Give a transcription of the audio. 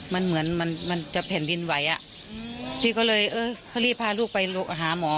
มันเหมือนมันมันจะแผ่นดินไหวอ่ะพี่ก็เลยเออเขารีบพาลูกไปหาหมอ